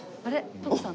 徳さん！